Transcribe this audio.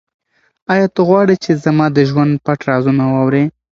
آیا ته غواړې چې زما د ژوند پټ رازونه واورې؟